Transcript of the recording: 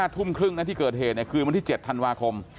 ทุ่มครึ่งนะที่เกิดเหตุคืนวันที่๗ธันวาคม